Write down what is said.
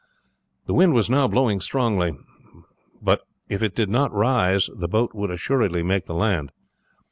The wind was now blowing strongly, but if it did not rise the boat would assuredly make the land.